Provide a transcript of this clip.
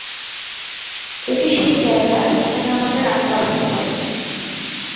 এটি সেই জায়গা যেখানে আমাদের আত্মা বাস করে।